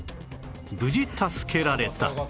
無事助けられた